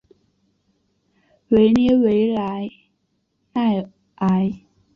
维耶维莱赖埃。